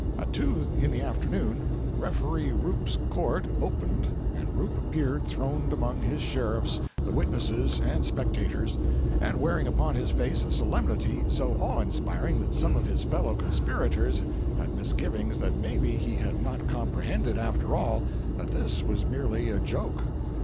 At two in the afternoon referee Roop's Court opened and Roop appeared throned among his sheriffs, the witnesses, and spectators, and wearing upon his face a solemnity so awe inspiring that some of his fellow conspirators had misgivings that maybe he had not comprehended, after all, that this was merely a joke.